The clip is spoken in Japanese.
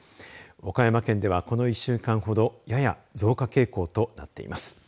岡山県では、この１週間ほどやや増加傾向となっています。